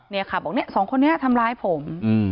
เนี่ยค่ะบอกเนี่ยสองคนนี้ทำร้ายผม